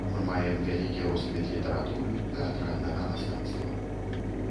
Мы маем вялікі росквіт літаратуры, тэатральнага мастацтва.